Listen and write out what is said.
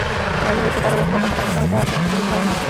বাড়ি হইতে তাড়াইয়া দিবার কথাটা কোথা হইতে আসে শশী বুঝিতে পারে না।